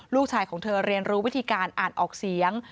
ลูกชายของเธอเรียนรู้วิธีการอ่านออกเสียง